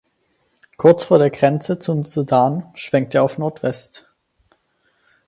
Kurz vor der Grenze zum Sudan schwenkt er auf Nordwest.